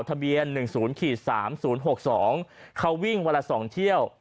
ทะเบียน๑๐๓๐๖๒เขาวิ่งวันละ๒เที่ยว